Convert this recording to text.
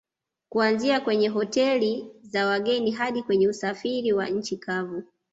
Kuanzia kwenye Hoteli za wageni hadi kwenye usafiri wa nchi kavu